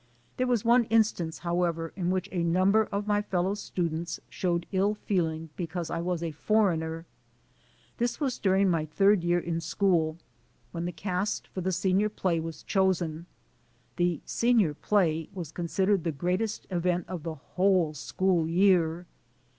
There was one instance, however, in which a number of my fellow students showed ill feeling because I was a "foreigner." This was during my third year in school, when the cast for the senior play was chosen. The "Senior Play" was considered the greatest event of the whole school year.